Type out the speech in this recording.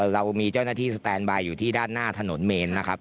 เรามีเจ้าหน้าที่สแตนบายอยู่ที่ด้านหน้าถนนเมนนะครับ